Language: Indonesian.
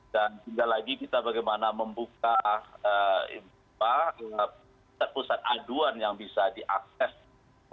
dan juga lagi kita bagaimana membuka ipa pusat pusat aduan yang bisa diakses oleh